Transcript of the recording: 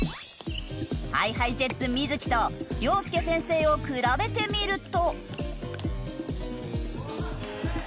ＨｉＨｉＪｅｔｓ瑞稀とＹＯＳＵＫＥ先生を比べてみると。